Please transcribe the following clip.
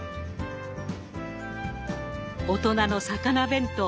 「大人の魚弁当」